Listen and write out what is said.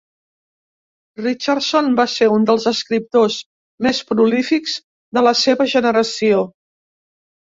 Richardson va ser un dels escriptors més prolífics de la seva generació.